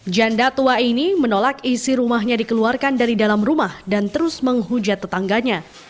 janda tua ini menolak isi rumahnya dikeluarkan dari dalam rumah dan terus menghujat tetangganya